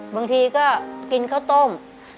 บางทีก็กินข้าวต้ม